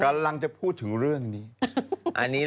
กำลังจะพูดถึงเรื่องนี้